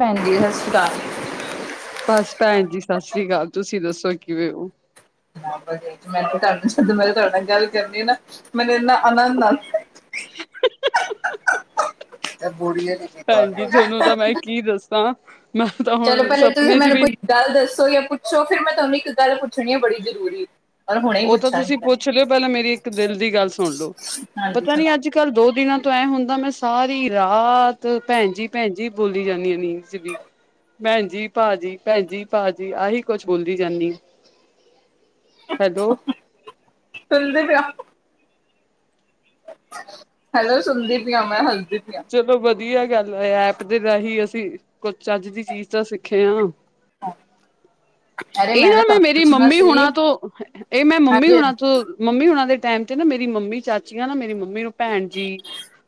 ਭੈਣ ਜ, ਸਤਿ ਸ਼੍ਰੀ ਅਕਾਲ। ਬਸ ਭੈਣ ਜੀ, ਸਤਿ ਸ੍ਰੀ ਅਕਾਲ, ਤੁਸੀਂ ਦੱਸੋ ਕਿਵੇਂ ਹੋ? ਮੈਂ ਤੁ ਜਦ ਮੈਂ ਤੁਹਾਡੇ ਨਾਲ ਗੱਲ ਕਰਨੀ ਆ ਨਾ, ਮੈਨੂੰ ਇੰਨਾ ਆਨੰਦ ਆਉਂ [unintelligible] ਇਹ ਬੜਏ ਨਕ ਭੈਣ ਜੀ ਤੁਹਾਨੂੰ ਤਾਂ ਮੈਂ [unintelligible] ਕੀ ਦੱਸਾਂ, ਮੈਂ ਤਾਂ ਹੁਣ ਤੁਸੀਂ ਸਪਨੇ 'ਚ ਮੈਨੂੰ ਵੀ ਕੋਈ ਗੱਲ ਦੱਸੋ ਜਾਂ ਪੁੱਛੋ, ਫੇਿਰ ਮੈਂ ਤੁਹਾਨੂੰ ਇੱਕ ਗੱਲ ਪੁੱਛਣੀ ਆ, ਬੜੀ ਜ਼ਰੂਰੀ। ਔਰ ਹੁਣੇ ਹੀ ਉਹ ਤਾਂ ਪੁੱਛਾਂਗੀ ਤੁਸੀਂ ਮੈਂ ਪੁੱਛ ਲਿਓ, ਪਹਿ ਲਾਂ ਮੇਰੀ ਇੱਕ ਦਿਲ ਦੀ ਗੱਲ ਸੁਣ ਲਓ, ਹਾਂਜੀ ਪਤਾ ਨੀ ਸੁਣਾਓ ਅੱਜ ਘੱਲ ਦੋ ਦਿਨਾਂ ਤੋਂ ਐ ਹੁੰਦਾ, ਮੈਂ ਸਾਰੀ ਰਾਤ ਭੈਣ ਜੀ ਭੈਣ ਜੀ, ਬੋਲੀ ਜਾਂਦੀ ਹ ਨੀ ਵੀ ਭੈਣ ਜੀ ਭਾਜੀ, ਭੈਣ ਜੀ ਭਾਜੀ, ਆਹੀ ਕੁਛ ਬੋਲਦੀ ਜਾਂਦੀ ਆ। ਹੈਲੋ? ਸੁਲਦੇ ਪਿਆ [unintelligible] ਹੈਲੋ, ਸੁਣਦੀ ਪਈ ਹ ਮੈਂ, ਹਸਦੀ ਪਈ ਹਾਂ। ਚਲੋ ਵਧੀਆ ਗੱਲ ਹੈ, ਐਪ ਦੇ ਰਾਹੀਂ ਅਸੀਂ, ਕੁਛ ਚੱਜ ਦੀ ਚੀਜ਼ ਤਾਂ ਸਿੱਖੇ ਹਾਂ। ਆਹ [unintelligible] ਇਹ ਨਾ ਮੈਂ ਮੇਰੀ ਮੰਮੀ ਹੁਣਾ ਤੋਂ, ਇਹ ਮੈਂ ਮੰਮੀ ਹਾਂਜੀ ਹੁਣਾ ਤੋਂ ਮੰਮੀ ਉਹਨਾਂ ਦੇ ਟਮ 'ਚ ਨਾ, ਮੇਰੀ ਮੰਮੀ ਚਾਚੀਆਂ ਨਾ, ਮੇਰੀ ਮੰਮੀ ਨੂੰ ਭੈਣ ਜੀ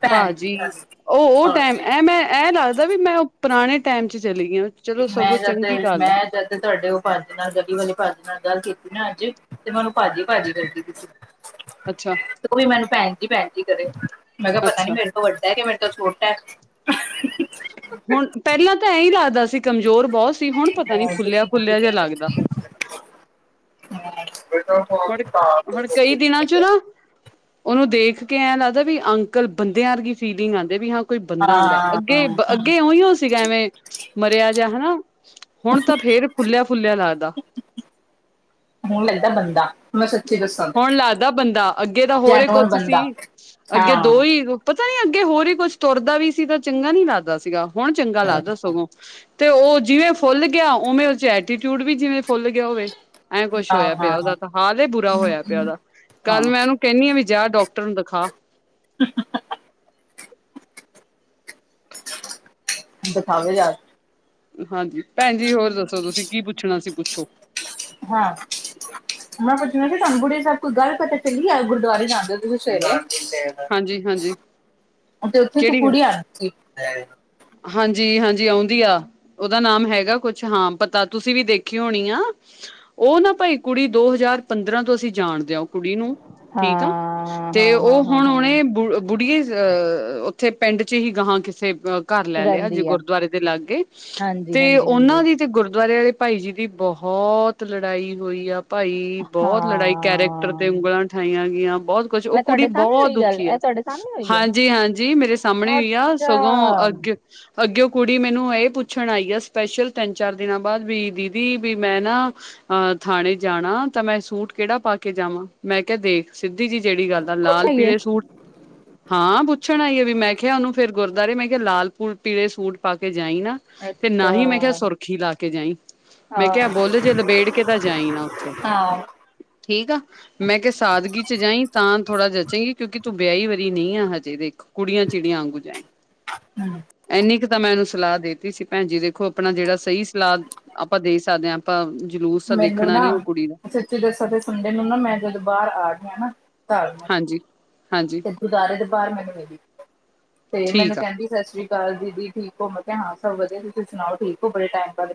ਭੈਣ ਜ, ਭਾਜੀ ਹਾਂ [unintelligible] ਉਹ, ਉਹ ਟਾਈਮ ਐ ਮੈਂ ਐ ਲੱਗਦਾ ਵੀ ਮੈਂ, ਉਹ ਪੁਰਾਣੇ ਟਾਈਮ 'ਚ ਚਲੀ ਗਈ ਆ। ਚਲੋ ਮੈਂ ਸਗੋਂ ਜਦ, ਚੰਗੀ ਗੱਲ ਮੈਂ ਜਦ ਤੁਹਾਡੇ ਪਾਜ ਨਾਲ, ਗਲੀ ਵਾਲੇ ਪਾਜ ਨਾਲ ਗੱਲ ਕੀਤੀ ਨਾ ਅੱਜ, ਤੇ ਮੈਂਨੂੰ ਭਜੀ-ਭਾਜੀ ਕਰਦੀ ਪਈ ਸੀ। ਅੱਛਾ। ਉਹ ਵੀ ਮੈਨੂੰ ਭੈਣ ਜੀ-ਪੈਣ ਜੀ ਕਰੇ, ਮੈਂ ਕਿਹਾ ਪਤਾ ਨੀ ਅੱਛਾ ਮੇਰੇ ਉਹ ਵੱਡਾ, ਕਿ ਮੇਰੇ ਤੋਂ ਛੋਟਾ ਹੁਣ, ਪਹਿਲਾਂ ਤਾਂ ਐਂ ਲੱਗਦਾ ਸੀ ਕਮਜ਼ੋਰ ਬਹੁਤ ਸੀ, ਹੁਣ ਪਤਾ ਨੀ ਫੁੱਲਿਆ- ਫੁੱਲਿਆ ਜਿਹਾ ਲੱਗਦਾ। ਹ [unintelligible] ਹੁਣ, ਹੁਣ ਕਈ ਦਿਨਾਂ 'ਚ ਨਾ ਉਹਨੂੰ ਦੇਖ ਕੇ ਐਂ ਲੱਗਦਾ ਵੀ, ਅੰਕਲ ਬੰਦਿਆਂ ਵਰਗੀ ਫੀਲਿੰਗ ਆਉਂਦੇ ਵੀ, ਹਾਂ ਕੋਈ ਬੰਦਾ ਆਉਂਦਾ, ਹਾਂ ਹਾਂ ਅੱਗੇ-ਅੱਗੇ ਉਹੀ ਉਹ ਸੀਗਾ ਐਵੇਂ, ਮਰਿਆ ਜਾ, ਹਨਾ ਹੁਣ ਤਾਂ ਫੇਰ, ਫੁੱਲਿਆ- ਫੁੱਲਿਆ ਲੱਗਦਾ। ਹੁਣ ਲੱਗਦਾ ਬੰਦਾ। ਮੈਂ ਸੱਚੀ ਦੱਸਾਂ ਹੁਣ ਤੇ ਲੱਗਦਾ ਬੰਦਾ, ਅੱਗੇ ਤਾਂ ਹੋਰ ਹੀ ਜੈਨੂਅਨ ਕੁਛ ਬੰਦਾ ਸੀ, ਅੱਗੇ ਦੋ ਹਾਂ ਹੀ ਪਤਾ ਨੀ ਅੱਗੇ ਹੋਰ ਹੀ ਕੁੱਝ ਤੁਰਦਾ ਵੀ ਸੀ, ਤਾਂ ਚੰਗਾ ਨੀ ਲੱਗਦਾ ਸੀਗਾ, ਹੁਣ ਚੰਗਾ ਲੱਗਦਾ ਸਗੋਂ। ਤੇ ਓ ਜਿਵੇਂ ਫੁੱਲ ਗਿਆ ਓਵੇਂ ਐਟੀਚਿਊਡ ਵੀ ਜਿਵੇਂ ਫੁੱਲ ਗਿਆ ਹੋਵੇ। ਐਂ ਕੁੱਛ ਹਾਂ ਹੋਇਆ ਹਾਂ ਪਿਆ ਓਦਾ ਤਾਂ ਹਾਲ ਬੁਰਾ ਹੋਇਆ ਪਿਆ ਓਦਾ ਹਾਂ ਕੱਲ ਮੈਂ ਓਨੂੰ ਕੈਨੀ ਆ ਵੀ ਜਾ ਡੋਕਟਰ ਨੂੰ ਦਿਖਾ। [unintelligible] ਦਿਖਾਵੇ ਜਾ ਹਾਂਜੀ ਭੈਣ ਜੀ ਹੋਰ ਦੱਸੋ ਤੁਸੀਂ ਕੀ ਪੁੱਛਣਾ ਸੀ ਪੁੱਛੋ। ਹਾਂ [unintelligible] ਮੈਂ ਪੁੱਛਣਾ ਸੀ ਤੁਹਾਨੂੰ ਬੁੜੇ ਸਾਹਿਬ ਕੋਈ ਗੱਲ ਪਤਾ ਚੱਲੀ ਆ ਗੁਰਦੁਆਰੇ ਜਾਂਦੇ ਹੋ ਤੁਸੀਂ ਸਵੇਰੇ। ਹਾਂਜੀ-ਹਾਂਜੀ ਅਤੇ ਉੱਥੇ ਇੱਕ ਕੁੜੀ ਆਂਦੀ ਸੀ ਹਾਂਜੀ-ਹਾਂਜੀ ਆਉਂਦੀ ਆ। ਓਦਾ ਨਾਮ ਹੈਗਾ ਕੁਛ ਹਾਂ ਪਤਾ ਤੁਸੀਂ ਵੀ ਦੇਖੀ ਹੋਣੀ ਆ। ਓ ਨਾ ਭਾਈ ਕੁੜੀ ਦੋ ਹਜ਼ਾਰ ਪੰਦਰਾਂ ਤੋਂ ਅਸੀਂ ਜਾਣਦੇ ਆ। ਕੁੜੀ ਨੂੰ ਹਾਂ ਠੀਕ ਆ ਤੇ ਹਾਂ ਓ ਹਾਂ ਹਾਂ ਹੁਣ ਹਾਂ ਓਨੇ ਬੁ ਬੁੜੀਏ ਅ ਉੱਥੇ ਪਿੰਡ ਚ ਹੀ ਗਹਾਂ ਕਿਸੇ ਅ ਘਰ ਲੈ ਲਿਆ ਜੇ ਰਹਿੰਦੀ ਹੈ ਗੁਰਦੁਆਰੇ ਦੇ ਲਾਗੇ ਹਾਂਜੀ ਤੇ ਹਾਂਜੀ ਹਾਂਜੀ ਓਨਾਂ ਦੀ ਤੇ ਗੁਰਦੁਆਰੇ ਆਲੇ ਭਾਈ ਜੀ ਦੀ ਬੋਹਤ ਲੜਾਈ ਹੋਈ ਆ। ਭਾਈ ਬੋਹਤ ਲੜਾਈ ਕਰੈਕਟਰ ਤੇ ਹਾਂ, ਉਂਗਲਾਂ ਉਠਾਈਆਂ ਗਿਆਂ ਬੋਤ ਕੁਛ ਓ ਇਹ ਕੁੜੀ ਤੁਹਾਡੇ ਸਾਹਮਣੇ ਬੋਤ ਹੋਈ ਗੱਲ, ਦੁਖੀ ਆ ਇਹ ਤੁਹਾਡੇ ਸਾਹਮਣੇ ਹੋਈ ਆ? ਹਾਂਜੀ-ਹਾਂ ਮੇਰੇ ਸਾਮਣੇ ਹੋਈ ਆ ਅੱਛਾ। ਸਗੋਂ ਅੱਗੇ ਅੱਗਿਓ ਕੁੜੀ ਮੈਨੂੰ ਏ ਪੁੱਛਣ ਆਈ ਆ ਸਪੈਸ਼ਲ ਤਿੰਨ-ਚਾਰ ਦਿਨਾਂ ਬਾਦ ਵੀ ਦੀਦੀ ਵੀ ਮੈਂ ਨਾ ਅ ਥਾਣੇ ਜਾਣਾ ਤਾਂ ਮੈਂ ਸੂਟ ਕੇੜਾ ਪਾ ਕੇ ਜਾਵਾਂ ਮੈਂ ਕਿਆ ਦੇਖ ਸਿੱਧੀ ਜੀ ਜੇੜੀ ਗੱਲ ਆ ਪੁੱਛਿਆ ਈ ਏ, ਲਾਲ-ਪੀਲੇ ਸੂਟ, ਹਾਂ ਪੁ ਛਣ ਆਈ ਆ ਵੀ ਮੈਂ ਕਿਆ ਉਨੂੰ ਫੇਰ ਗੁਰਦੁਆਰੇ ਮੈਂ ਕਿਆ ਲਾਲ ਪੂ ਪੀਲੇ ਸੂਟ ਪਾ ਕੇ ਜਾਈ ਨਾ। ਤੇ ਅੱਛਾ, ਨਾਹੀ ਮੈਂ ਕਿਆ ਸੁਰਖੀ ਲਾ ਕੇ ਜਾਈ। ਮੈਂ ਹਾਂ। ਕਿਆ ਬੁਲ ਜੇ ਲਬੇੜ ਕੇ ਤਾਂ ਜਾਈ ਨਾ ਉਥੇ। [unintelligible] ਠੀਕ ਆ ਮੈਂ ਕਿਆ ਸਾਦਗੀਚ ਜਾਈ ਤਾਂ ਥੋੜ੍ਹਾ ਜਚੇਗੀ ਕਿਉਂਕਿ ਤੂੰ ਵਿਆਹੀ ਵਾਰੀ ਨੀ ਆ ਹਜੇ, ਦੇਖ ਕੁੜੀਆਂ-ਚਿੜੀਆਂ ਆਂਗੂ ਜਾਈ। ਹੂੰ। ਐਨੀ ਕ ਤਾਂ ਮੈਂ ਐਨੂੰ ਸਲਾਹ ਦੇਤੀ ਸੀ ਭੈਣ ਜੀ ਦੇਖੋ ਆਪਣਾ ਜੇੜਾ ਸਈ ਸਲਾਹ ਆਪਾਂ ਦੇ ਸਕਦੇ ਆ ਆਪਾਂ ਜਲੂਸ ਤਾਂ ਮੈਨੂੰ ਦੇਖਣਾ ਨਾ ਨੀ ਓ ਕੁੜੀ ਦਾ [inaudible] ਸੰਡੇ ਨੂੰ ਨਾ ਮੈਂ ਜਦੋਂ ਬਾਰ ਆ ਗਈ ਆ ਨਾ ਘਰ। ਜੀ, ਹਾਂਜੀ। ਗੁਦਾਰੇ ਦੇ ਬਾਰ ਮੈਨੂੰ ਮਿਲੀ ਤੇ ਠੀਕ ਮੈਨੂੰ ਆ ਕੈਂਦੀ ਸਸ ਸ੍ਰੀ ਕਾਲ ਦੀਦੀ ਠੀਕ ਓ ਮੈਂ ਕਿਆ ਹਾਂ ਸਭ ਵਧੀਆ ਤੁਸੀਂ ਸੁਣਾਓ ਠੀਕ ਓ ਬਰੇ ਟੈਮ [inaudible]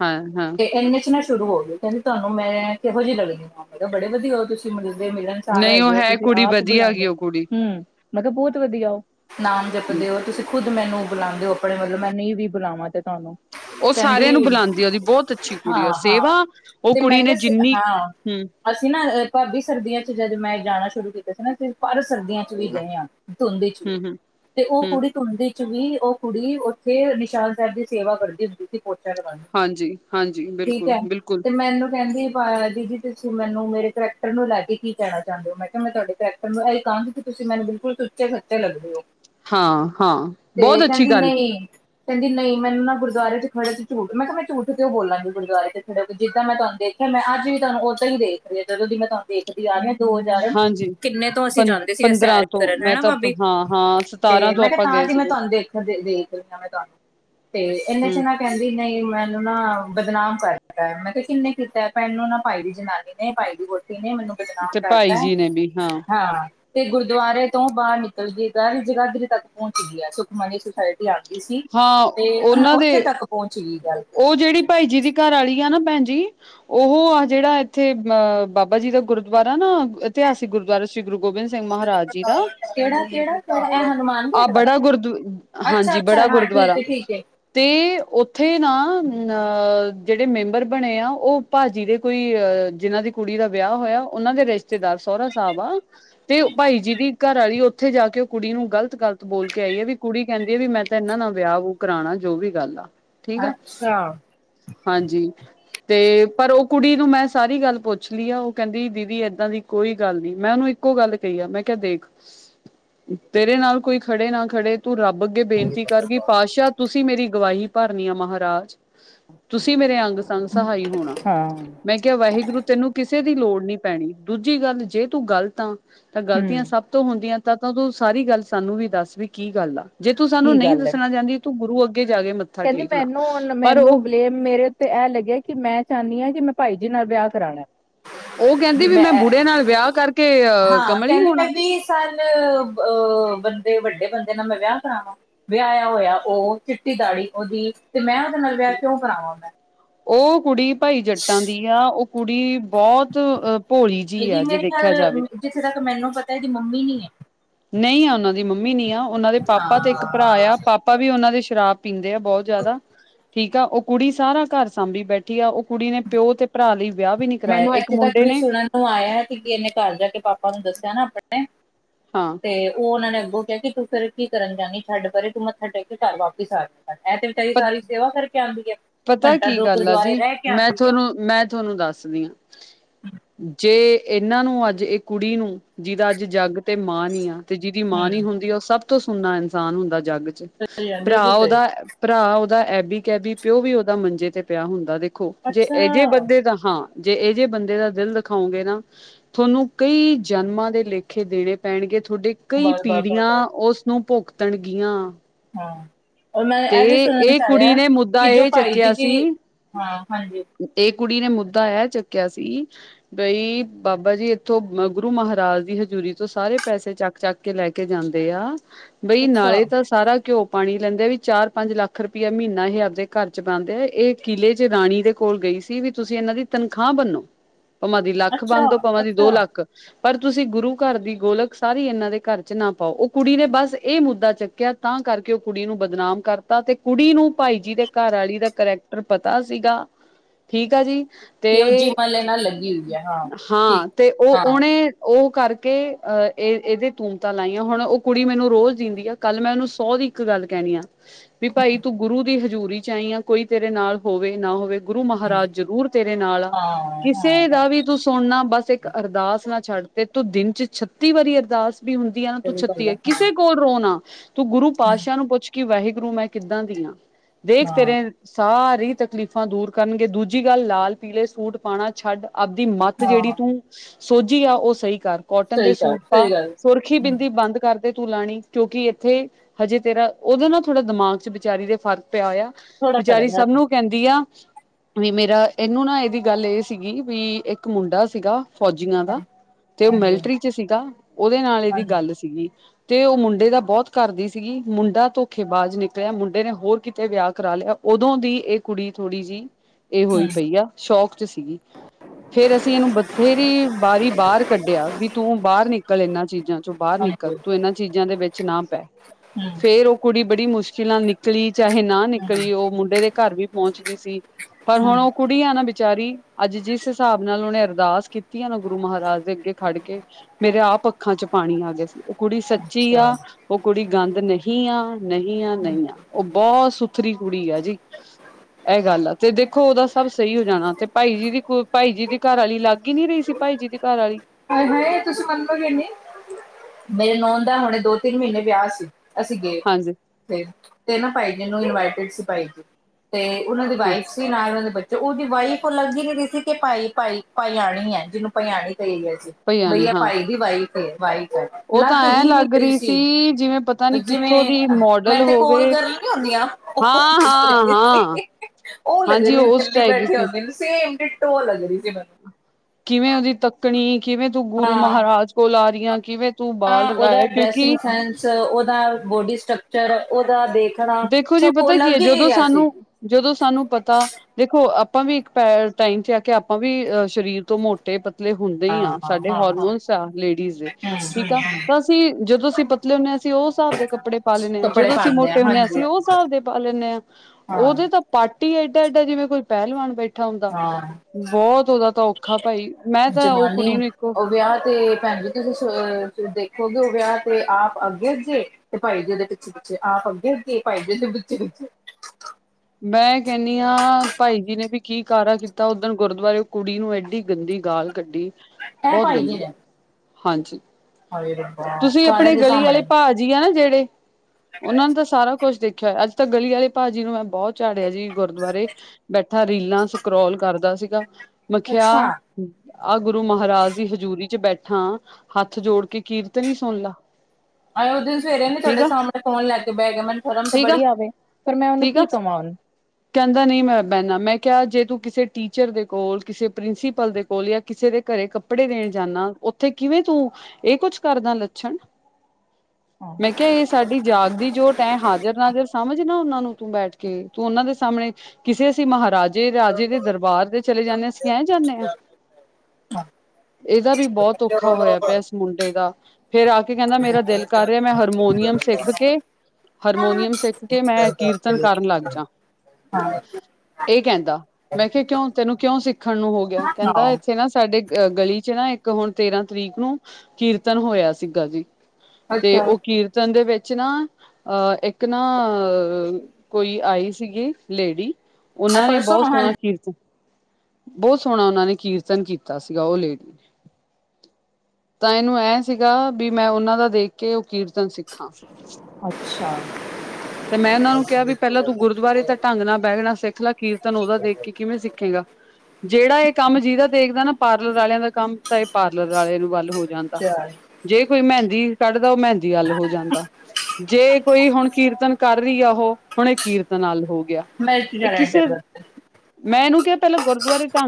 ਹਾਂ ਹਾਂ ਤੇ ਏਨੇ ਚ ਨਾ ਸ਼ੁਰੂ ਹੋ ਗਏ ਕੈਂਦੇ ਤੁਹਾਨੂੰ ਮੈਂ ਕਿਹੋ ਜੀ ਲਗਨੀ? ਮੈ ਕਿਆ ਬੜੇ ਵਧੀਆ ਓ ਤੁਸੀਂ। ਸੀਦੇ ਮਿਲਣ ਸਾਰ ਨਹੀਂ ਉਹ ਹੈਗੇ ਓ ਹੈ ਤੁਸੀਂ ਕੁੜੀ ਆਪ ਵਧੀਆ ਬੁਲਾਉਂਦੇ ਹੈਗੀ ਉਹ ਕੁੜੀ ਓ ਹੂੰ ਮੈਂ ਕਿਆ ਬੋਤ ਵਧੀਆ ਓ। ਨਾਮ ਹੂੰ ਜਪਦੇ ਓ ਤੁਸੀਂ ਖੁਦ ਮੈਨੂੰ ਬੁਲਾਉਂਦੇ ਓ ਆਪਣੇ ਵਲੋਂ ਮੈ ਨਈ ਵੀ ਬੁਲਾਵਾਂ ਤੇ ਤੁਹਾਨੂੰ। ਓ ਸਾਰਿਆਂ ਨੂੰ ਕਹਿੰਦੀ ਬੁਲਾਉਂਦੀ ਓਦੀ ਬੋਤ ਅੱਛੀ ਕੁੜੀ ਆ ਹਾਂ-ਹਾਂ ਸੇਵਾ ਓ ਤੇ ਕੁੜੀ ਮੈਂ ਨੇ ਕਿਹਾ ਸ ਜਿੰਨੀ ਹਾਂ। ਹੂੰ ਅਸੀਂ ਨਾ ਭਾਬੀ ਸਰਦੀਆਂ ਚ ਜਦ ਮੈਂ ਜਾਣਾ ਸ਼ੁਰੂ ਕੀਤਾ ਸੀ ਨਾ ਅਸੀਂ ਭਰ ਸਰਦੀਆਂ ਚ ਵੀ ਗਏ ਆ। ਧੁੰਦ ਚ ਈ ਹੂੰ ਹੂੰ ਤੇ ਓ ਹੂੰ ਕੁੜੀ ਧੁੰਦੀ ਚ ਵੀ ਓ ਕੁੜੀ ਉੱਥੇ ਨਿਸ਼ਾਨ ਸਾਹਿਬ ਦੀ ਸੇਵਾ ਕਰਦੀ ਹੁੰਦੀ ਸੀ ਪੋ [inaudible] ਹਾਂਜੀ ਹਾਂਜੀ ਠੀਕ ਬਿਲਕੁਲ ਐ ਬਿਲਕੁਲ ਤੇ ਮੈਨੂੰ ਕੈਂਦੀ ਹਾ ਦੀਦੀ ਤੁਸੀਂ ਮੈਨੂੰ ਮੇਰੇ ਕਰੈਕਟਰ ਨੂੰ ਲੈ ਕੇ ਕੀ ਕਹਿਣਾ ਚਾਹੁੰਦੇ ਓ? ਮੈਂ ਕਿਹਾ ਮੈਂ ਤੁਹਾਡੇ ਕਰੈਕਟਰ ਨੂੰ ਇਹਹੀ ਕਹਾਂਗੀ ਕਿ ਤੁਸੀਂ ਮੈਨੂੰ ਬਿਲਕੁਲ ਟੱਚੇ- ਸੁੱਚੇ ਲੱਗੇਦੇ ਹਓ। ਹਾਂ ਹਾਂ ਤੇ ਬਹੁਤ ਅੱਛੀ ਕੇਨਦੀ ਗੱਲ ਨਹੀਂ। ਕਹਿੰਦੀ ਨਹੀ ਮੈਨੂੰ ਨਾ ਗੁਰਦੁਆਰੇ ਚ ਖੜੇ ਚ ਝੂਠ, ਮੈ ਕਿਆ ਝੂਠ ਉਹ ਬੋਾਂਗੀ ਗੁਰਦਆਰੇ ਚ ਖੜੇ ਜਿੱਦਾਂ ਮੈਂ ਤੁਹਾਨੂੰ ਦ ਫ ਮੈਂ ਅੱਜ ਵੀ ਤੁਹਾਨੂੰ ਓਦਾਂ ਹੀ ਦੇਖ ਰਹੀ ਹਾਂ ਜਦੋਂ ਦੀ ਮੈਂ ਤੁਹਾਨੂੰ ਦੇਖਦੀ ਆ ਰਹੀ ਹਾਂ ਦੋ-ਹਜ਼ਾਰ ਹਾਂਜੀ ਕਿੰਨੇ ਤੋਂ ਅਸੀਂ ਪੰ ਜਾਂਦੇ ਸੀਗੇ ਪੰਦਰਾਂ ਸੈਰ ਤੋਂ ਕਰਨ ਮੈਂ ਹਨਾ ਤਾਂ ਬਾਬੀ, ਹਾਂ ਹਾਂ ਸਤਾਰਾਂ ਤੇ ਤੋਂ ਮੈਂ ਆਪਾਂ ਕਿਹਾ ਗਏ ਤ ਮੈਂ ਸੀਗੇ ਤੁਹਾਨੂੰ ਦੇਖਣ ਦੇ, [inaudible] ਤੇ ਇਹਨਾਂ ਚ ਹਮ ਨਾ ਕਹਿੰਦੀ ਨਹੀਂ ਮੈਨੂੰ ਨਾ ਬਦਨਾਮ ਕਰਤਾ, ਮੈਂ ਕਿਹਾ ਕਿੰਨੇ ਕੀਤਾ? ਪਾਨੂੰ ਨਾ ਪਾਈ ਦੀ ਜਨਾਨੀ ਨੇ ਪਾਈ ਦੀ ਵੋ ਕਿਨੇ ਮੈਨੂੰ ਬਦਨਾਮ ਤੇ ਕਰਤਾ ਏ। [unintelligible] ਹਾਂ, ਤੇ ਗੁਰਦੁਆਰੇ ਤੋਂ ਬਾਹਰ ਨਿਕਲਦੀ ਤਾਂ ਜਗਾਧਰੀ ਤੱਕ ਪਹੁੰਚਦੀਗੀ ਹੈ ਸੁਖਮਨੀ ਸੁਸਾਇ ਆ ਗਈ ਸੀ, ਹਾਂ ਤੇ ਉਹਨਾਂ ਦੇ ਉੱਥੇ ਤੱਕ ਪਹੁੰਚ ਗਈ ਗੱਲ। ਉਹ ਜਿਹੜੀ ਭਾਈ ਜੀ ਦੀ ਘਰ ਵਾਲੀ ਆ ਨਾ ਭੈਣ ਜੀ? ਉਹ ਆਹ ਜਿਹੜਾ ਇੱਥੇ ਅਹ ਬਾਬਾ ਜੀ ਦਾ ਗੁਰਦੁਆਰਾ ਨਾ ਇਤਿਹਾਸ ਗੁਰਦੁਆਰਾ ਸ਼੍ਰੀ ਗੁਰੂ ਗੋਬਿੰਦ ਸਿੰਘ ਮਹਾਰਾਜ ਜੀ ਦਾ, ਕਿਹੜਾ ਕਿਹੜਾ ਕਿਹੜਾ ਇਹ ਹਨੂੰਮਾਨ ਆਹ ਗੇਟ ਵਾਲਾ ਬੜਾ ਗੁਰਦ ਅੱਛਾ। ਅੱਛਾ ਬੜਾ ਹਾਂ ਗੁਰਦੁਆਰਾ ਠੀਕ ਹੈ ਠੀਕ ਹੈ ਤੇ ਉੱਥੇ ਨਾ ਜਿਹੜੇ ਮੈਂਬਰ ਬਣੇ ਆ ਉਹ ਪਾਜੀ ਦੇ ਕੋਈ ਅ ਜਿਨਾਂ ਦੀ ਕੁੜੀ ਦਾ ਵਿਆਹ ਹੋਇਆ ਉਹਨਾਂ ਦੇ ਰਿਸ਼ਤੇਦਾਰ ਸੋਹਰਾ ਸਾਹਿਬ ਆ ਤੇ ਭਾਈ ਜੀ ਦੀ ਘਰ ਵਾਲੀ ਓ ਥੇ ਜਾ ਕੇ ਉਹ ਕੁੜੀ ਨੂੰ ਗ਼ਲਤ- ਗਲਤ ਬੋਲ ਕੇ ਆਈ ਹੈ ਵੀ ਕੁੜੀ ਕਹਿੰਦੀ ਆ ਵੀ ਮੈਂ ਤੇ ਇਹਨਾਂ ਦਾ ਵਿਆਹ ਵੂਹ ਕਰਾਣਾ ਜੋ ਵੀ ਗੱਲ ਆ, ਠੀਕ ਆ, ਅੱਛਾ ਹਾਂਜੀ ਤੇ ਪਰ ਉਹ ਕੁੜੀ ਨੂੰ ਮੈਂ ਸਾਰੀ ਗੱਲ ਪੁੱਛ ਲਈ ਆ ਉਹ ਕਹਿੰਦੀ ਦੀਦੀ ਏਦਾਂ ਦੀ ਕੋਈ ਗੱਲ ਨਹੀਂ ਮੈਂ ਉਹਨੂੰ ਇੱਕੋ ਗੱਲ ਕਹੀ ਆ ਮੈਂ ਕਿਆ ਦੇਖ ਤੇਰੇ ਨਾਲ ਕੋਈ ਖੜੇ ਨਾ ਖੜੇ ਤੂੰ ਰੱਬ ਅੱਗੇ ਬੇਨਤੀ ਕਰ ਕਿ ਪਾਤਸ਼ਾਹ ਤੁਸੀਂ ਮੇਰੀ ਗਵਾਹੀ ਭਰਨੀ ਆ ਮਹਾਰਾਜ ਤੁਸੀਂ ਮੇਰੇ ਅੰਗ ਸੰੰਗ ਸਹਾਈ ਹੋਣਾ ਹਾਂ ਮੈਂ ਕਿਹਾ ਵਾਹਿਗੁਰੂ ਤੈਨੂੰ ਕਿਸੇ ਦੀ ਲੋੜ ਨੀ ਪੈਣੀ ਦੂਜੀ ਗੱਲ ਜੇ ਤੂੰ ਗ਼ਲਤ ਆ ਤਾਂ ਗ਼ਲਤੀਆਂ ਹੂੰ ਸਭ ਤੋਂ ਹੁੰਦੀਆਂ ਤਾਂ -ਤਾਂ ਹੂੰ ਸਾਰੀ ਗੱਲ ਸਾਨੂੰ ਵੀ ਦੱਸ ਵੀ ਕੀ ਗੱਲ ਆ ਜੇ ਤੂੰ ਸਾਨੂੰ ਕੀ ਨਹੀਂ ਗੱਲ ਹੈ ਦੱਸਣਾ ਚਾਹੁੰਦੀ ਤੂੰ ਗੁਰੂ ਅੱਗੇ ਜਾ ਕੇ ਮੱਥਾ ਕਹਿੰਦੀ ਟੇਕ ਲ ਮੈਨੂੰ ਪਰ ਮੈਨੂੰ ਉਹ ਬਲੇਮ ਮੇਰੇ ਉੱਤੇ ਇਹ ਲੱਗਿਆ ਕਿ ਮੈਂ ਚਾਹੁੰਦੀ ਹਾਂ ਕਿ ਮੈਂ ਭਾਈ ਜੀ ਨਾਲ ਵਿਆਹ ਕਰਾਣਾ ਉਹ ਕਹਿੰਦੀ ਵੀ ਮੈਂ ਬੁੜੇ ਨਾਲ ਵਿਆਹ ਕਰਕੇ ਅਹ ਕਮਲੀ ਹੋਣਾ ਅਹ ਬੰਦੇ ਵੱਡੇ ਬੰਦੇ ਨਾਲ ਮੈਂ ਵਿਆਹ ਕਰਾਵਾਂ ਵਿਆਹ ਆਇਆ ਹੋਇਆ ਉਹ ਚਿੱਟੀ ਦਾੜੀ ਉਹਦੀ ਤੇ ਮੈਂ ਉਹਦੇ ਨਾਲ ਵਿਆਹ ਕਿਉਂ ਕਰਾਵਾਂ ਮੈਂ ਉਹ ਕੁੜੀ ਭਾਈ ਜੱਟਾਂ ਦੀ ਆ ਉਹ ਕੁੜੀ ਬਹੁਤ ਅ ਭੋਲੀ ਜਿਹੀ ਇਹਦੀ ਆ ਜੇ ਮੇਰੇ ਦੇਖਿਆ ਜਾਵੇ ਖਿਆਲ ਜਿੱਥੇ ਤੱਕ ਮੈਨੂੰ ਪਤਾ ਇਹਦੀ ਮੰਮੀ ਨੀ ਹੈ ਨਹੀਂ ਆ ਉਹਨਾਂ ਦੀ ਮੰਮੀ ਨ ਆ, ਉਹਨਾਂ ਦੇ ਪਾਪਾ ਤੇ ਇੱਕ ਭਰਾ ਹਾਂ ਆ, ਪਾਪਾ ਵੀ ਉਹਨਾਂ ਦੇ ਸ਼ਰਾਬ ਪੀਂਦੇ ਆ ਬਹੁਤ ਜ਼ਿਆਦਾ ਠੀਕ ਆ ਉਹ ਕੁੜੀ ਸਾਰਾ ਘਰ ਸਾਂਭੀ ਬੈਠੀ ਆ ਉਹ ਕੁੜੀ ਨੇ ਪਿਓ ਤੇ ਭਰਾ ਲਈ ਵਿਆਹ ਵੀ ਨੀ ਕਰਵਾਇਆ, ਇੱਕ ਮੁੰਡੇ ਨੇ ਓ ਆ ਤੇ ਘਰ ਜਾ ਕੇ ਪਾਪਾ ਨੂੰ ਦੱਸਿਆ ਨਾ ਆਪਣੇ ਹਾਂ ਤੇ ਉਹ ਉਹਨਾਂ ਨੇ ਅੱਗੋਂ ਕਿਹਾ ਕਿ ਤੂੰ ਫਿਰ ਕੀ ਕਰਨ ਜਾਦੀ ਛੱਡ ਪਰੇ ਤੂੰ ਮੱਥਾ ਟੇਕ ਕੇ ਘਰ ਵਾਪਿਸ ਆ ਜਾ ਇਹ ਤੇ ਵਿਚਾਰੀ ਪ ਸਾਰੀ ਸੇਵਾ ਕਰਕੇ ਆਉਂਦੀ ਹੈ ਪਤਾ ਘੰਟਾ ਕੀ ਦੋ ਗੱਲ ਆ ਗੁਰਦੁਆਰੇ ਜੀ ਰਹਿ ਕੇ ਮੈਂ ਆਉਂਦੀ ਆ ਤੁਹਾਨੂੰ ਮੈਂ ਤੁਹਾਨੂੰ ਦੱਸਦੀ ਹਾਂ ਜੇ ਇਹਨਾਂ ਨੂੰ ਅੱਜ ਇਹ ਕੁੜੀ ਨੂੰ ਜਿਹਦਾ ਅੱਜ ਜੱਗ ਤੇ ਮਾਂ ਨੀ ਆ ਤੇ ਜਿਹਦੀ ਮਾਂ ਨੀ ਹਮ ਹੁੰਦੀ ਓ ਸਭ ਤੋਂ ਸੂਨਾ ਇਨਸਾਨ ਹੁੰਦਾ ਜੱਗ ਭਰਾ ਬਿਲਕੁਲ ਸਹੀ ਓਦਾ ਭਰਾ ਓਦਾ ਐਬੀ ਕੈਬੀ ਪਿਓ ਵੀ ਉਹਦਾ ਮੰਜੇ ਤੇ ਪਿਆ ਹੁੰਦਾ ਦੇਖੋ ਜੇ ਐ ਜੇ ਅੱਛਾ ਬੰਦੇ ਦਾ ਹਾਂ ਜੇ ਇਹਜੇ ਬੰਦੇ ਦਾ ਦਿਲ ਦਿਖਾਓਗੇ ਨਾ ਥੋਨੂੰ ਕਈ ਜਨਮਾਂ ਦੇ ਲੇਖੇ ਦੇਣੇ ਪੈਣਗੇ ਥੌਡੇ ਕਈ ਬਸ ਬਸ ਬਸ ਪੀੜੀਆਂ ਬਸ ਉਸਨੂੰ ਭੁਗਤਣਗੀਆਂ। ਹਾਂ, ਹੋਰ ਮੈਂ ਤੇ ਐ ਵੀ ਸੁਨਣ ਇਹ ਚ ਕੁੜੀ ਆਇਆ ਨੇ ਮੁੱਦਾ ਕਿ ਜੋ ਇਹ ਭਾਈ ਜੀ ਦੀ ਹਾਂ ਹਾਂਜੀ ਏ ਕੁੜੀ ਨੇ ਮੁੱਦਾ ਐ ਚੱਕਿਆ ਸੀ। ਬਈ ਬਾਬਾ ਜੀ ਇੱਥੋਂ ਗੁਰੂ ਮਹਾਰਾਜ ਦੀ ਹਜ਼ੂਰੀ ਤੋਂ ਸਾਰੇ ਪੈਸੇ ਚੱਕ-ਚੱਕ, ਕੇ ਲੈ ਕੇ ਜਾਂਦੇ ਆ, ਬਈ ਅੱਛਾ ਨਾਲੇ ਤਾਂ ਸਾਰਾ ਘਿਓ ਪਾਣੀ ਲੈਂਦੇ ਵੀ ਚਾਰ ਪੰਜ ਲੱਖ ਰੁਪਇਆ ਮਹੀਨਾ ਏ ਆਪਦੇ ਘਰ ਚ ਬਣਾਦੇ ਆ, ਏ ਕਿਲ੍ਹੇ ਚ ਰਾਣੀ ਦੇ ਕੋਲ ਗਈ ਸੀ, ਵੀ ਤੁਸੀਂ ਇਹਨਾਂ ਦੀ ਤਨਖਾਹ ਬੰਨੋ ਭਾਵਾਂ ਦੀ ਲੱਖ ਅੱਛਾ ਬੰਨਦੋ ਭਾਵਾਂ ਦੀ ਦੋ ਅੱਛਾ ਲੱਖ ਪਰ ਤੁਸੀਂ ਗੁਰੂ ਘਰ ਦੀ ਗੋਲਕ ਸਾਰੀ ਇਹਨਾਂ ਦੇ ਘਰ ਚ ਨਾ ਪਾਓ, ਉਹ ਕੁੜੀ ਨੇ ਬਸ ਇਹ ਮੁੱਦਾ ਚਕਿਆ ਤਾਂ ਕਰਕੇ ਓ ਕੁੜੀ ਨੂੰ ਬਦਨਾਮ ਕਰਤਾ, ਤੇ ਕੁੜੀ ਨੂੰ ਭਾਈ ਜੀ ਦੇ ਘਰ ਆਲੀ ਦਾ ਕਰੈਕਟਰ ਪਤਾ ਸੀਗਾ। ਠੀਕ ਆ ਜੀ, ਕਿ ਉਹ ਜਿਮ ਤੇ ਵਾਲੇ ਨਾਲ ਲੱਗੀ ਹੋਈ ਹੈ ਹਾਂ ਹਾਂ ਠੀਕ ਤੇ ਓ ਹਾਂ ਓਨੇ ਓ ਕਰਕੇ ਅਹ ਏ ਇਹਦੇ ਤੂਮਤਾਂ ਲਾਈਆਂ ਹੁਣ ਉਹ ਕੁੜੀ ਮੈਨੂੰ ਰੋਜ਼ ਦਿੰਦੀ ਆ। ਕੱਲ ਮੈਂ ਉਹਨੂੰ ਸੌ ਦੀ ਇੱਕ ਗੱਲ ਕਹਿਣੀ ਆ। ਵੀ ਭਾਈ ਤੂੰ ਗੁਰੂ ਦੀ ਹਜ਼ੂਰੀ ਚ ਆਈ ਆ, ਕੋਈ ਤੇਰੇ ਨਾਲ ਹੋਵੇ ਨਾ ਹੋਵੇ। ਗੁਰੂ ਮਹਾਰਾਜ ਜ਼ਰੂਰ ਤੇਰੇ ਨਾਲ ਆ ਹਾਂ ਹਾਂ ਕਿਸੇ ਹਾਂ ਦਾ ਵੀ ਤੂੰ ਸੁਣਨਾ ਬਸ ਇੱਕ ਅਰਦਾਸ ਨਾ ਛੱਡ, ਤੇ ਤੂੰ ਦਿਨ ਚ ਛੱਤੀ ਵਾਰੀ ਅਰਦਾਸ ਵੀ ਹੁੰਦੀ ਆਂ ਤੂੰ ਸਹੀ ਛੱਤੀ ਗੱਲ ਏ, ਹੈ ਹਾਂ ਕਿਸੇ ਕੋਲ ਰੋ ਨਾ ਤੂੰ ਗੁਰੂ ਪਾਤਸ਼ਾਹ ਨੂੰ ਪੁੱਛ ਕੇ ਵਾਹਿਗੁਰੂ ਮੈਂ ਕਿੱਦਾਂ ਦੀਆਂ ਦੇਖ ਹਾਂ ਤੇਰੇ, ਸਾਰੀ ਤਕਲੀਫ਼ਾਂ ਦੂਰ ਕਰਨਗੇ ਦੂਜੀ ਗੱਲ, ਲਾਲ-ਪੀਲੇ ਸੂਟ ਪਾਣਾ ਛੱਡ, ਆਪਦੀ ਮੱਤ ਜਿਹੜੀ ਹਾਂ ਤੂੰ। ਸੋਝੀ ਆ, ਓ ਸਈ ਕਰ। ਕੋਟਨ ਦੇ ਸਹੀ ਗੱਲ ਸੂਟ ਪਾ, ਸਹੀ ਗੱਲ ਸੁਰਖੀ ਹਮ, ਬਿੰਦੀ ਬੰਦ ਕਰ। ਤੂੰ ਲਾਣੀ, ਕਿਉਂਕਿ ਇੱਥੇ ਹਜੇ ਤੇਰਾ ਓਦੇ ਨਾਲ ਥੋੜਾ ਦਿਮਾਗ ਚ ਵਿਚਾਰੀ ਦੇ ਫਰਕ ਪਿਆ ਹੋਇਆ। ਥੋੜਾ ਫਰਕ ਵਿਚਾਰੀ ਹੈ ਸਭ ਨੂੰ ਹਾਂਜੀ ਕਹਿੰਦੀ ਆ। ਵੀ ਮੇਰਾ ਇਹਨੂੰ ਨਾ, ਇਹਦੀ ਗੱਲ ਏ ਸੀਗੀ ਵੀ ਇੱਕ ਮੁੰਡਾ ਸੀਗਾ। ਫੌਜੀਆਂ ਦਾ ਤੇ ਓ ਹਾਂਜੀ ਮਿਲਟਰੀ ਚ ਸੀਗਾ ਓਦੇ ਨਾਲ ਏਦੀ ਹਾਂਜੀ ਗੱਲ ਸੀਗੀ। ਤੇ ਓ ਮੁੰਡੇ ਦਾ ਬੋਤ ਕਰਦੀ ਸੀਗੀ, ਮੁੰਡਾ ਧੋਖੇਬਾਜ਼ ਨਿਕਲਿਆ ਮੁੰਡੇ ਨੇ ਹੋਰ ਕਿਤੇ ਵਿਆਹ ਕਰਾ ਲਿਆ। ਓਦੋ ਦੀ ਏ ਕੁੜੀ ਥੋੜੀ ਜੀ ਏ ਹੋਈ ਪਈ ਆ ਸ਼ੌਕ ਚ ਸੀਗੀ। ਫੇਰ ਅਸੀ ਇਨੂੰ ਬਥੇਰੀ ਵਾਰੀ ਬਾਰ ਕੱਢਿਆ ਵੀ ਤੂੰ ਬਾਰ ਨਿਕਲ ਏਨਾਂ ਚੀਜ਼ਾਂ ਚੋਂ ਬਾਰ ਨਿਕਲ ਹਾਂਜੀ ਤੂੰ ਏਨਾਂ ਚੀਜ਼ਾਂ ਦੇ ਵਿੱਚ ਨਾ ਪੈ, ਹਮ ਫੇਰ ਓ ਕੁੜੀ ਬੜੀ ਮੁਸ਼ਕਿਲ ਨਾਲ ਨਿਕ ਲੀ ਚਾਹੇ ਨਾ ਹਮ ਨਿਕਲੀ ਓ ਮੁੰਡੇ ਦੇ ਘਰ ਵੀ ਪੋਂਚਗੀ ਸੀ। ਪਰ ਹੁਣ ਹਮ ਓ ਕੁੜੀ ਆ ਨਾ ਵਿਚਾਰੀ ਅੱਜ ਜਿਸ ਸਾਬ ਨਾਲ ਓਨੇ ਅਰਦਾਸ ਕੀਤੀ ਆ ਨਾ ਗੁਰੂ ਮਹਾਰਾਜ ਦੇ ਅੱਗੇ ਖੜ ਕੇ ਮੇਰੇ ਆਪ ਅੱਖਾਂ ਚ ਪਾਣੀ ਆ ਗਿਆ ਸੀ ਓ ਕੁੜੀ ਸੱਚੀ ਅੱਛਾ ਆ। ਓ ਕੁੜੀ ਗੰਦ ਨਹੀਂ ਆ, ਨਹੀਂ ਆ, ਨਹੀਂ ਆ। ਓ ਬੋਤ ਸੁਥਰੀ ਕੁੜੀ ਆ ਜੀ, ਐ ਗੱਲ ਆ। ਤੇ ਦੇਖੋ ਓਦਾ ਸਭ ਸਈ ਜਾਣਾ, ਤੇ ਪਾਈ ਜੀ ਦੀ ਪਾਈ ਜੀ ਦੀ ਘਰਆਲੀ ਲੱਗ ਈ ਨੀ ਰਈ ਸੀ, ਪਾਈ ਜੀ ਦੀ ਘਰਆਲੀ। ਆਏ ਹਾਏ ਤੁਸੀ ਮੰਨੋਗੇ ਨੀ, ਮੇਰੇ ਨੌਣ ਦਾ ਹੁਣੇ ਦੋ ਤਿੰਨ ਮਹੀਨੇ ਵਿਆਹ ਸੀ। ਅਸੀਂ ਗਏ ਹਾਂਜੀ ਤੇ, ਤੇ ਨਾ ਪਾਈ ਜੀ ਨੂੰ ਇਨਵਾਈਟਿਡ ਸੀ ਪਾਈ ਜੀ। ਤੇ ਓਨਾਂ ਦੀ ਹਾਂ ਵਾਈਫ ਸੀ ਨਾਲ ਓਨਾ ਦੇ ਬੱ ਤੇ ਓਦੀ ਵਈਫ ਓ ਲੱਗ ਈ ਨੀ ਰਹੀ ਸੀ, ਕਿ ਭਾਈ ਭਾਈ ਭਾਈਆਣੀ ਐ ਜਿਨੂੰ ਭਈਆਣੀ ਕਹੀਏ ਅਸੀਂ ਵੀ ਐ, ਭਾਈ ਦੀ ਵਾਈਫ ਐ ਭਾਈ। ਓ, ਤਾਂ ਐ ਲੱਗ ਰੀ ਸੀ, ਜਿਵੇਂ ਪਤਾ ਨੀ ਕਿੱਥੋਂ ਜਿਵੇਂ ਦੀ ਮੈਂ ਮੋਡਲ ਤੇ ਕੋਲ ਹੋਵੇ। ਕਰ ਨਹੀਂ ਹੁੰਦੀਆਂ ਹਾਂ, ਹਾਂ, ਹਾਂ। ਓ ਲੱਗ ਹਾਂਜੀ ਰੀ ਉਸ ਦਿੱਲੀ ਟਾਈਪ ਦੀ ਬੈਠੀਆ ਸੀ ਹੁੰਦੀਆ ਨੇ ਸੇਮ ਡਿੱਟੋ ਓਹ ਲੱਗ ਰਹੀ ਸੀ। ਕਿਵੇਂ ਓਦੀ ਤੱਕ? ਕਣੀ ਕਿਵੇਂ ਤੂੰ ਗੁਰੂ ਹਾਂ ਮਹਾਰਾਜ ਕੋਲ ਆ ਰੀ ਐ ਕਿਵੇਂ ਤੂੰ ਬਾਲ ਰੰਗਾਏ, ਕਿਉਂਕਿ ਸਲ ਓਦਾ ਬੋਡੀ ਸਟਰਕਚਰ ਓਦਾ ਦੇਖ ਦੇਖੋ ਜੀ, ਪਤਾ ਕੀ ਆ ਜਦੋਂ ਸਾਨੂੰ, ਜਦੋਂ ਸਾਨੂੰ ਪਤਾ ਦੇਖੋ ਆਪਾਂ ਵੀ ਇੱਕ ਟਾਈਮ ਤੇ ਆ ਕੇ ਆਪਾਂ ਵੀ ਅਹ ਸਰੀਰ ਤੋਂ ਮੋ ਟੇ ਪਤਲੇ ਹੁੰਦੇ ਈ ਹਾਂ ਆ, ਸਾਡੇ ਹਾਂ ਹਾਂ ਹੋਰਮੋਨਸ ਆ ਲੇਡੀਜ਼ ਦੇ। ਠੀਕ ਆ, ਹਮ ਤਾਂ ਅਸੀਂ ਜਦੋਂ ਅਸੀਂ ਪਤਲੇ ਹੁੰਨੇ ਆ ਅਸੀਂ ਓ ਸਾਬ ਦੇ ਕੱਪੜੇ ਪਾ ਲੈਨੇ ਆ ਕੱਪੜੇ ਜਦੋਂ ਅਸੀਂ ਮੋ ਪਾਉਂਦੇ ਤੇ ਹੁੰਨੇ ਆ ਹਾਂਜੀ ਅਸੀ ਓ ਸਾਬ ਦੇ ਪਾ ਲੈਨੇ ਆ, ਹਾਂ ਓਦੇ ਤਾਂ ਪੱਟ ਈ ਏਡਾ-ਏਡਾ ਜਿਵੇ ਕੋਈ ਪੈਲਵਾਨ ਬੈਠ ਠਾ ਹੁੰਦਾ, ਹਾਂ ਬਹੁਤ ਉਹਦਾ ਤਾਂ ਔਖਾ ਭਾਈ ਮੈਂ ਤਾਂ ਉਹ ਕੁੜੀ ਨੂੰ ਇੱਕੋ ਤੁਸ ਅਹ ਤੁਸੀਂ ਦੇਖੋਗੇ ਵਿਆਹ ਤੇ ਆਪ ਅੱਗੇ ਸੀ। ਤੇ ਭਾਈ ਜੀ ਓਦੇ ਪਿੱਛੇ-ਪਿੱਛੇ ਆਪ ਅੱਗੇ-ਅੱਗੇ ਭਾਈ ਜੀ ਓਦੇ ਪਿੱਛੇ-ਪਿੱਛੇ। ਮੈਂ ਕਹਿਣੀ ਆ, ਭਾਈ ਜੀ ਨੇ ਵੀ ਕੀ ਕਾਰਾ ਕੀਤਾ ਓਦਨ ਗੁਰਦੁਆਰੇ ਕੁੜੀ ਨੂੰ ਐਡੀ ਗੰਦੀ ਗਾਲ ਕੱਢੀ ਇਹ ਬੌਤ ਭਾਈ ਜੀ ਗੰਦੀ ਗਾਲ, ਨੇ ਹਾਂਜੀ। ਹਾਏ ਰੱਬਾ ਤੁਸੀਂ ਸਾਰਿਆਂ ਆਪਣੇ ਦੇ ਗਲੀ ਆਲੇ ਸਾਹਮਣੇ ਭਾਅ ਜੀ ਆ ਜੇੜੇ ਓਨਾਂ ਦਾ ਸਾਰਾ ਕੁਛ ਦੇਖਿਆ ਅੱਜ ਤਾਂ ਗਲੀ ਆਲੇ ਭਾਜੀ ਨੂੰ ਬੋਤ ਝਾੜਿਆ ਜੀ ਗੁਰਦੁਆਰੇ ਬੈਠਾ ਰੀਲਾਂ ਸਕਰੋਲ ਕਰਦਾ ਸੀਗਾ, ਮੈਂਖਿਆ ਅੱਛਾ ਆ ਗੁਰੂ ਮਾਹਾਰਾਜ ਦੀ ਹਜ਼ੂਰੀ ਚ ਬੈਠਾ ਹੱਥ ਜੋੜ ਕੇ ਕੀਰਤਨ ਹੀ ਸੁਣ ਲਾ। ਆਏ ਓ ਦਿਨ ਸਵੇਰੇ ਵੀ ਠੀਕ ਤੁਆਡੇ ਆ ਸਾਹਮਣੇ ਫੋਨ ਲੈ ਕੇ ਬੈਠ ਗਿਆ। ਮੈਨੂੰ ਸ਼ਰਮ ਤੇ ਠੀਕ ਆ ਬੜੀ ਆਵੇ, ਪਰ ਮੈਂ ਓਨੂੰ ਕੀ ਕਵਾ‌ ਹੁਣ? ਕੈਂਦਾ ਨਈ ਮੈਂ ਬੈਣਾ। ਮੈਂ ਕਿਹਾ, ਜੇ ਤੂੰ ਕਿਸੇ ਟੀਚਰ ਦੇ ਕੋਲ, ਕਿਸੇ ਪ੍ਰਿੰਸੀਪਲ ਦੇ ਕੋਲ ਯਾ ਕਿਸੇ ਦੇ ਘਰੇ ਕ ਪੜੇ ਦੇਣ ਜਾਣਾ, ਓਥੇ ਕਿਵੇਂ ਤੂੰ ਇਹ ਕੁਛ ਕਰਦਾ ਲੱਛਣ? ਹਾਂ। ਮੈ ਕਿਆ ਏ ਸਾਡੀ ਜਾਗ ਦੀ ਜੋਟ ਹੈ, ਹਾਜ਼ਰ-ਨਾਜ਼ਰ ਸਮਝ ਨਾ ਓਨਾਂ ਨੂੰ ਤੂੰ ਬੈਠ। ਕੇ ਤੂੰ ਓਨਾਂ ਦੇ ਸਾਹਮਣੇ ਕਿਸੇ ਅਸੀਂ ਮਹਾਰਾਜ ਜੇ ਰਾਜੇ ਦੇ ਦਰਬਾਰ ਤੇ ਚਲੇ ਜਾਣੇ ਆ, ਅਸੀਂ ਐ ਜਾਣੇ ਆ? ਇਹਦਾ ਵੀ ਬਹੁਤ ਔਖਾ ਹੋਇਆ ਪਿਆ ਇਸ ਮੁੰਡੇ ਦਾ ਫੇਰ ਆ ਕੇ ਕਹਿੰਦਾ ਮੇਰਾ ਦਿਲ ਕਰ ਰਿਹਾ ਮੈਂ ਹਰਮੋਨੀਅਮ ਸਿੱਖ ਕੇ ਹਰਮੋਨੀਅਮ ਸਿੱਖ ਕੇ ਮੈਂ ਕੀਰਤਨ ਕਰਨ ਲੱਗ ਜਾ। [inaudible] ਇਹ ਕਹਿੰਦਾ ਮੈਂ ਕਿਹਾ ਕਿਉਂ ਤੈਨੂੰ ਕਿਉਂ ਸਿੱਖਣ ਨੂੰ ਹੋ ਗਿਆ ਕਹਿੰਦਾ ਹਾਂ ਇੱਥੇ ਨਾ ਸਾਡੇ ਅਹ ਗਲੀ ਚ ਨਾ ਇੱਕ ਹੁਣ ਤੇਰਾਂ ਤਰੀਕ ਨੂੰ ਕੀਰਤਨ ਹੋਇਆ ਸੀਗਾ ਜੀ। ਤੇ ਅੱਛਾ ਉਹ ਕੀਰਤਨ ਦੇ ਵਿੱਚ ਨਾ ਅਹ ਇੱਕ ਨਾ ਅਹ ਕੋਈ ਆਈ ਸੀਗੇ ਲੇਡੀ ਐ ਉਹਨਾਂ ਨੇ ਪਰਸੋਂ ਬਹੁਤ ਸੋਹਣਾ ਹਾਂਜੀ ਕੀਰਤਨ ਬਹੁਤ ਸੋਹਣਾ ਉਹਨਾਂ ਨੇ ਕੀਰਤਨ ਕੀਤਾ ਸੀਗਾ ਉਹ ਲੇਡੀ ਤਾਂ ਇਹਨੂੰ ਐ ਸੀਗਾ ਵੀ ਮੈਂ ਉਹਨਾਂ ਦਾ ਦੇਖ ਕੇ ਉਹ ਕੀਰਤਨ ਸਿੱਖਾ, ਅੱਛਾ ਤੇ ਮੈਂ ਉਹਨਾਂ ਨੂੰ ਕਿਹਾ ਵੀ ਪਹਿਲਾਂ ਤੂੰ ਗੁਰਦੁਆਰੇ ਤਾਂ ਢੰਗ ਨਾ ਬਹਿਣਾ ਸਿੱਖ ਲਾ ਕੀਰਤਨ ਉਹਦਾ ਦੇਖ ਕੇ ਕਿਵੇਂ ਸਿੱਖ ਰੇਗਾ ਜਿਹੜਾ ਇਹ ਕੰਮ ਜਿਹਦਾ ਦੇਖਦਾ ਨਾ ਪਾਰਲਰ ਆਲਿਆਂ ਦਾ ਕੰਮ ਤਾਂ ਪਾਰਲਰ ਆਲੇ ਨੂੰ ਵੱਲ ਹੋ ਜਾਂਦਾ ਚਲ ਜੇ ਕੋਈ ਮਹਿੰਦੀ ਕੱਢਦਾ ਉਹ ਮਹਿੰਦੀ ਵੱਲ ਹੋ ਜਾਂਦਾ। ਜੇ ਕੋਈ ਹੁਣ ਕੀਰਤਨ ਕਰ ਰਹੀ ਆ ਉਹ ਹੁਣ ਇਹ ਕੀਰਤਨ ਵੱਲ ਹੋ ਗਿਆ। ਇਹ ਕਿਸੇ [inaudible] ਮੈਂ ਇਹਨੂੰ ਕਿਹਾ ਪਹਿਲਾ ਗੁਰਦੁਆਰੇ ਢੰਗ